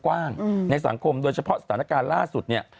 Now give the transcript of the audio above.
กว้างในสังคมโดยเฉพาะสถานการณ์ล่าสุดเนี่ย